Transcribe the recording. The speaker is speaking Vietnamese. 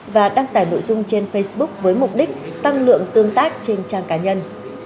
và đăng tải nội dung trên facebook với mục đích tăng lượng tương tác trên trang cá nhân